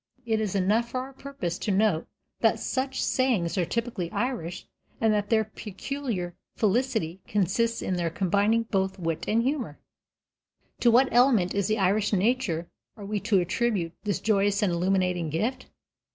It is enough for our purpose to note that such sayings are typically Irish and that their peculiar felicity consists in their combining both wit and humor. To what element in the Irish nature are we to attribute this joyous and illuminating gift?